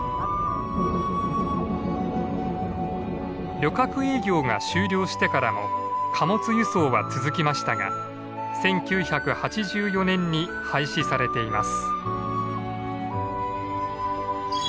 旅客営業が終了してからも貨物輸送は続きましたが１９８４年に廃止されています。